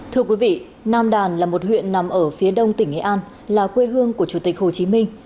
thưa quý vị nam đàn là một huyện nằm ở phía đông tỉnh nghệ an là quê hương của chủ tịch hồ chí minh